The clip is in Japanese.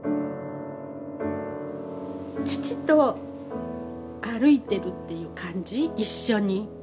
父と歩いてるっていう感じ一緒に。